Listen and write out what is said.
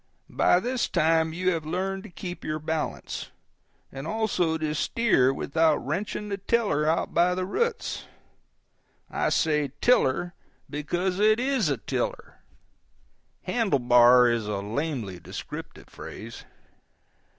By this time you have learned to keep your balance; and also to steer without wrenching the tiller out by the roots (I say tiller because it IS a tiller; "handle bar" is a lamely descriptive phrase).